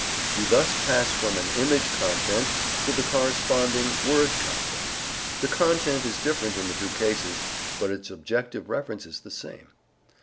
You thus pass from an image content to the corresponding word content. The content is different in the two cases, but its objective reference is the same.